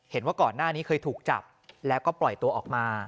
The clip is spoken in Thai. เห็นว่าก่อนหน้านี้เคยถูกจับแล้วก็ปล่อยตัวออกมา